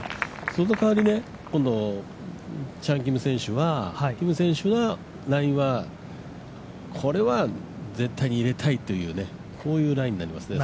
その代わり、今度、チャン・キム選手は、これは、絶対に入れたいというこういうラインになりますね。